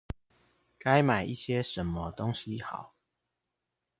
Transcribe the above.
該買一些什麼東西好